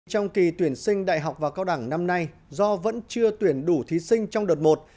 trong kỳ tuyển sinh đại học và cao đẳng năm nay do vẫn chưa tuyển đủ thí sinh trong đợt một